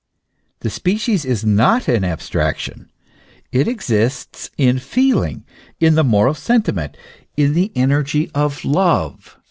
The species is not an abstraction; it exists in feeling, in the moral sentiment, in the energy of love.